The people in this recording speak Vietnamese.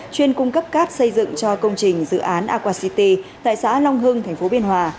chuyên cung cấp cát xây dựng cho công trình dự án aqua city tại sãn long hưng tp biên hòa